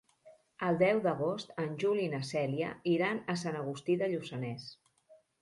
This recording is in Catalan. El deu d'agost en Juli i na Cèlia iran a Sant Agustí de Lluçanès.